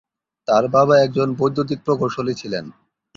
তাঁর বাবা একজন বৈদ্যুতিক প্রকৌশলী ছিলেন।